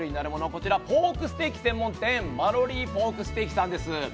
こちら、ポークステーキ専門店、マロリーポークステーキさんです。